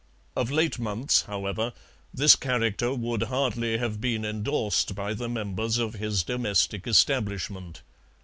Of late months, however, this character would hardly have been endorsed by the members of his domestic establishment.